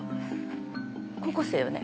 高校生よね？